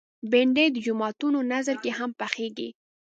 بېنډۍ د جوماتونو نذر کې هم پخېږي